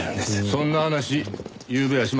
そんな話ゆうべはしませんでしたね。